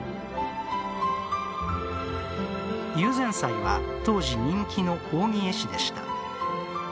友禅斎は当時、人気の扇絵師でした。